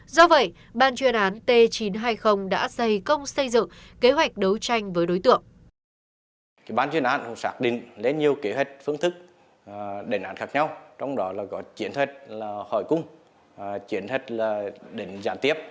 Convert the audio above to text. do vậy ban chuyên án t chín trăm hai mươi đã dày công xây dựng kế hoạch đấu tranh với đối tượng